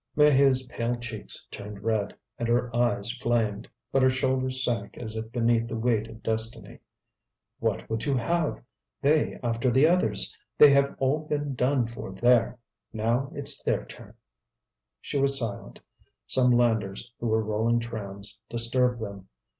Maheude's pale cheeks turned red, and her eyes flamed. But her shoulders sank as if beneath the weight of destiny. "What would you have? They after the others. They have all been done for there; now it's their turn." She was silent; some landers, who were rolling trams, disturbed them.